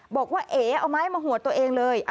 บอกว่าเอ๋เอาไม้มาหวดตัวเองเลย